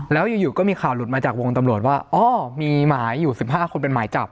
แล้วอยู่ก็มีข่าวหลุดมาจากวงตำรวจว่าอ๋อมีหมายอยู่๑๕คนเป็นหมายจับ